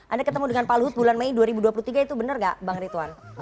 anda ketemu dengan pak luhut bulan mei dua ribu dua puluh tiga itu benar nggak bang ritwan